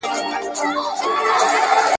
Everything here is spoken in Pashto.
ټول دولتونه به یوه ورځ له منځه ځي.